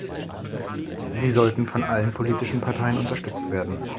Sie sollten von allen politischen Parteien unterstützt werden.